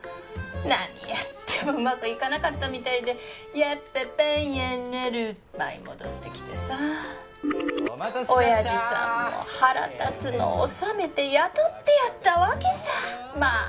何やってもうまくいかなかったみたいでやっぱパン屋になる舞い戻ってきてさ親父さんも腹立つの収めて雇ってやったわけさまあ